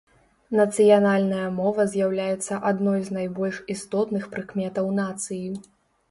Нацыянальная мова з'яўляецца адной з найбольш істотных прыкметаў нацыі.